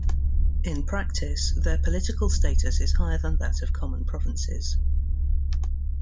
In practice, their political status is higher than that of common provinces.